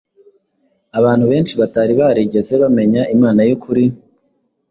abantu benshi batari barigeze bamenya Imana y’ukuri,